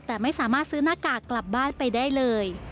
แต่ไม่สามารถซื้อหน้ากากกลับบ้านไปได้เลย